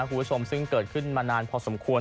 คุณผู้ชมซึ่งเกิดขึ้นมานานพอสมควร